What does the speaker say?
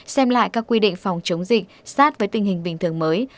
xem lại các quy định phòng chống dịch sát với tình hình bình thường mới